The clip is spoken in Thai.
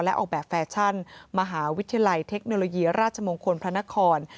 และออกแบบแฟชั่นมหาวิทยาลัยเทคโนโลยีราชมงคลพระนคร